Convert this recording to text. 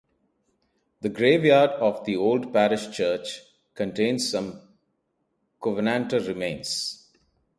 The graveyard of the old parish church contains some Covenanter remains.